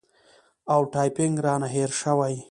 او ټایپینګ رانه هېر شوی